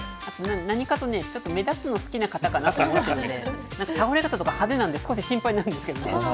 何かとね、ちょっと目立つの、好きな方かなと思ってるんで、なんか、倒れ方とか派手なんで、少し心配になるんですけどね。